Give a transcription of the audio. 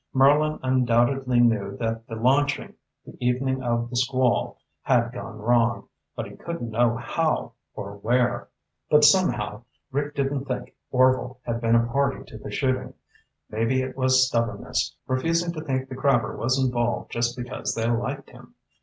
Merlin undoubtedly knew that the launching the evening of the squall had gone wrong, but he couldn't know how, or where. But somehow, Rick didn't think Orvil had been a party to the shooting. Maybe it was stubbornness, refusing to think the crabber was involved just because they liked him.